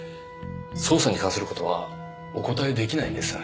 捜査に関する事はお答えできないんです。